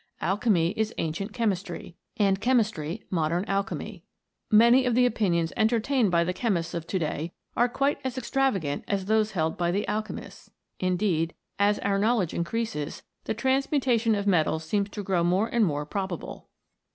Alchemy is ancient chemistry, and chemistry modern alchemy. Many of the opinions entertained by the chemists of to day are quite as extravagant as those held by the alchemists. Indeed, as our knowledge increases, the transmutation of metals seems to grow more and more probable.